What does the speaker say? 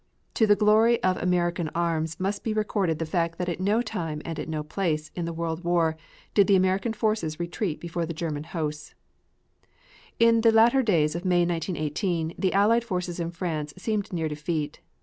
To the glory of American arms must be recorded the fact that at no time and at no place in the World War did the American forces retreat before the German hosts. In the latter days of May, 1918, the Allied forces in France seemed near defeat.